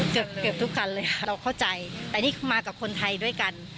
เกือบเกือบทุกคันเลยค่ะเราเข้าใจแต่นี่มากับคนไทยด้วยกัน